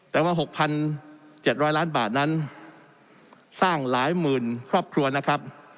แต่ว่าหกพันเจ็ดร้อยล้านบาทนั้นสร้างหลายหมื่นครอบครัวนะครับ